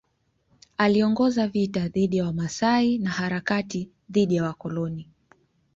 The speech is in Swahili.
Aliongoza vita dhidi ya Wamasai na harakati dhidi ya wakoloni.